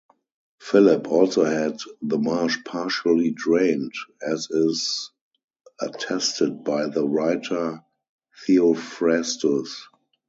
Philip also had the marsh partially drained, as is attested by the writer Theophrastus.